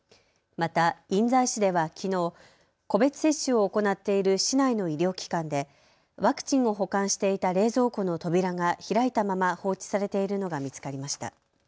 また印西市ではきのう個別接種を行っている市内の医療機関でワクチンを保管していた冷蔵庫の扉が開いたまま放置されているのが見つかりました。